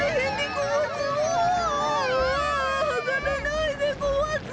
はがれないでごわす！